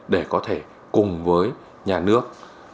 để có thể cùng với nhà nước